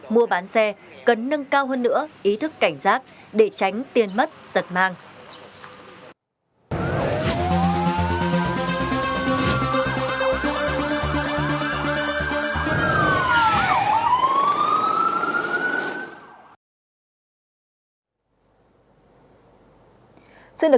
mua bán xe cần nâng cao hơn nữa ý thức cảnh giác để tránh tiền mất tật mang